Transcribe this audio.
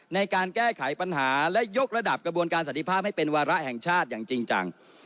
ในการแก้ไขปัญหาและยกระดับกระบวนการสันติภาพให้เป็นวาระแห่งชาติอย่างจริงจัง